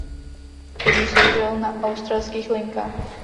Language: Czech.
Pod ní sloužil na australských linkách.